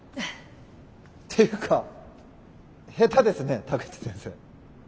っていうか下手ですね田口先生。